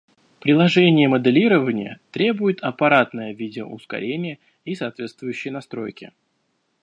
Приложение моделирования требует аппаратное видео-ускорение и соответствующие настройки